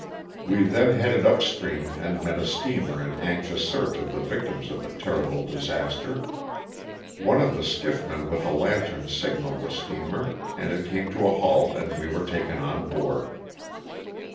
We then headed up stream and met a steamer in anxious search of the victims of the terrible disaster. One of the skiffmen with a lantern signalled the steamer and it came to a halt and we were taken on board.